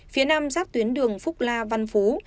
phía nam ráp tuyến đường phúc la văn phú